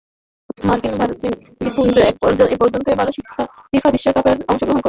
মার্কিন ভার্জিন দ্বীপপুঞ্জ এপর্যন্ত একবারও ফিফা বিশ্বকাপে অংশগ্রহণ করতে পারেনি।